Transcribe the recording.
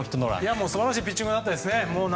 素晴らしいピッチングでしたね。